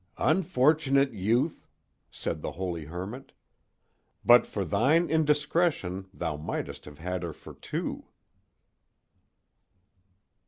"Unfortunate youth!" said the holy hermit, "but for thine indiscretion thou mightst have had her for two."